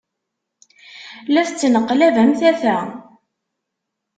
La tettneqlab am tata.